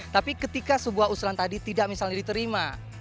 tapi ketika sebuah usulan tadi tidak misalnya diterima